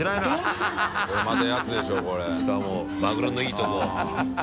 しかもマグロのいいところ。